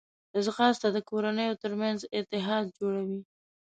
ځغاسته د کورنیو ترمنځ اتحاد جوړوي